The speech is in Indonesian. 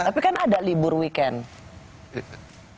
tapi kan ada libur weekend